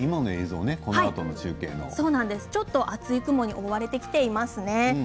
ちょっと厚い雲に覆われてきていますね。